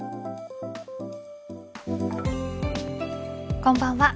こんばんは。